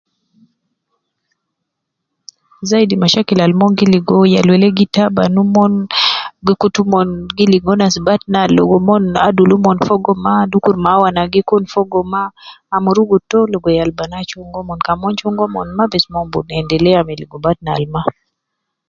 Zaidi mashakil al umon gi ligo yal wele gi taban umon, gi kutu umon gi ligo nas batna logo umon adul umon fogo mma dukur mawana gi kun fogo mma. Amurugu to logo yal banaa chunga umon, kan umon chunga umon maa bes umon bi endelea me ligo batna al mma.